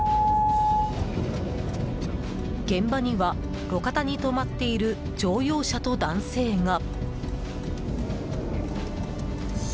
現場には、路肩に止まっている乗用車と男性が。